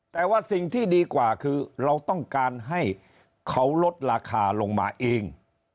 แต่ว่าสิ่งที่ดีกว่าคือเราต้องการให้เขาลดราคาลงมาเอง